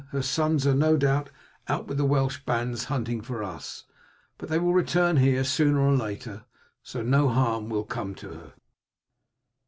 Her sons are no doubt out with the Welsh bands hunting for us; but they will return here sooner or later, so that no harm will come to her."